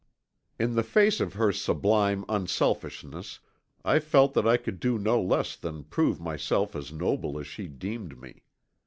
In the face of her sublime unselfishness I felt that I could do no less than prove myself as noble as she deemed me.